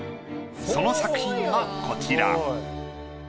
その作品がこちら。